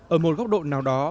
ở một góc độ nào đó